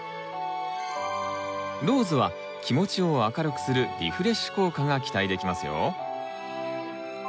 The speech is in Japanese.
ローズは気持ちを明るくするリフレッシュ効果が期待できますよ。